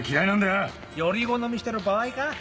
より好みしてる場合か？